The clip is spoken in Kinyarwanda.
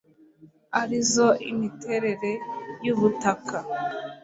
ari zo imiterere y ubutaka